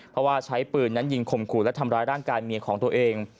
เพราะว่าใช้ปืนนั้นยิงข่มขู่และทำร้ายร่างกายเมียของตัวเอง